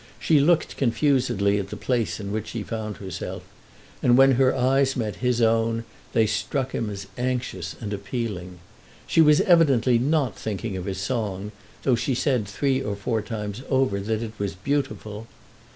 She looked confusedly at the place in which she found herself, and when her eyes met his own they struck him as anxious and appealing. She was evidently not thinking of his song, though she said three or four times over that it was beautiful.